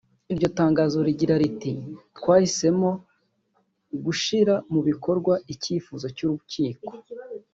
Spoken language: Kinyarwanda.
Iryo tangazo rigira riti “Twahisemo gushira mu bikorwa icyifuzo cy’urukiko